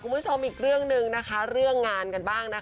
คุณผู้ชมอีกเรื่องหนึ่งนะคะเรื่องงานกันบ้างนะคะ